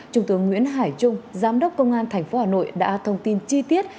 trung tướng nguyễn hải trung giám đốc công an thành phố hà nội đã thông tin chi tiết